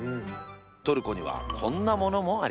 トルコにはこんなものもあります。